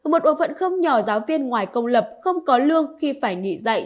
một bộ phận không nhỏ giáo viên ngoài công lập không có lương khi phải nghỉ dạy